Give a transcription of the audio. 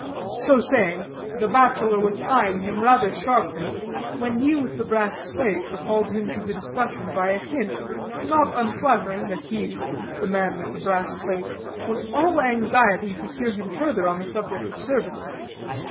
So saying, the bachelor was eying him rather sharply, when he with the brass plate recalled him to the discussion by a hint, not unflattering, that he (the man with the brass plate) was all anxiety to hear him further on the subject of servants.